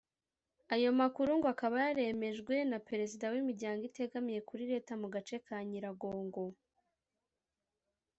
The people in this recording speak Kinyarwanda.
Ayo makuru ngo akaba yaremejwe na Perezida w’Imiryango itegamiye kuri Leta mu gace ka Nyiragongo